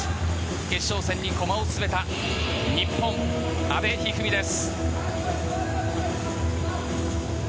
決勝戦に駒を進めた日本、阿部一二三です。